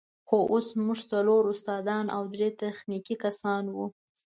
خو اوس موږ څلور استادان او درې تخنیکي کسان وو.